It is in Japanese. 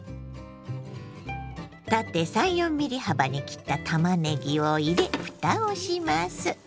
縦３４ｍｍ幅に切ったたまねぎを入れふたをします。